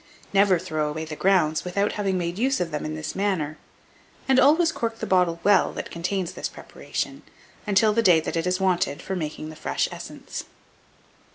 Never throw away the grounds without having made use of them in this manner; and always cork the bottle well that contains this preparation, until the day that it is wanted for making the fresh essence.